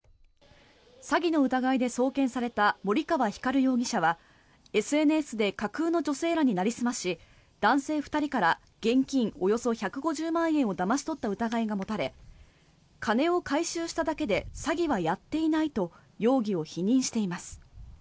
詐欺の疑いで送検された森川光容疑者はＳＮＳで架空の女性らになりすまし男性２人から現金およそ１５０万円をだまし取った疑いが持たれ金を回収しただけで詐欺はやっていないと容疑を否認しています。